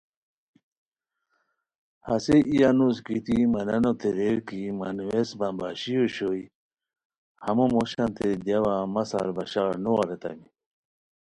ہسے ای انوس گیتی مہ نانوتین ریر کی مہ نوویس مہ باشی اوشوئے، ہموموشانتین دیاوا مہ سار بشار نو اریتامی